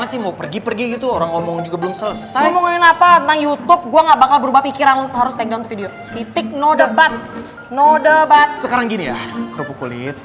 sekarang gini ya kerupuk kulit